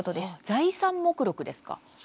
財産目録ですか。